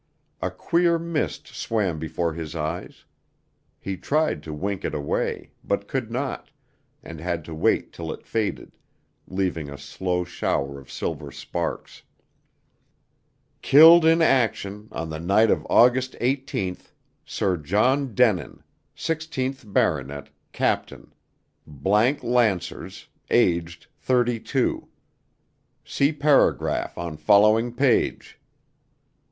A queer mist swam before his eyes. He tried to wink it away, but could not, and had to wait till it faded, leaving a slow shower of silver sparks. "Killed in action, on the night of August 18th, Sir John Denin, 16th baronet, Captain th Lancers, aged 32. See paragraph on following page."